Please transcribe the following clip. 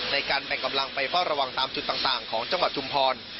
ในการแบ่งกำลังไปเฝ้าระวังตามจุดต่างของจังหวัดชุมพร